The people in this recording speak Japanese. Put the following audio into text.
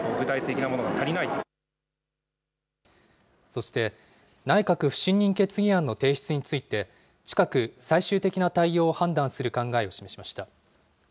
そして、内閣不信任決議案の提出について、近く、最終的な対応を判断する考えを示しました。